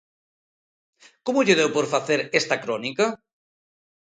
Como lle deu por facer esta crónica?